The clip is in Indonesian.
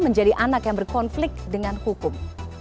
menjadi anak yang berkonflik dengan hukum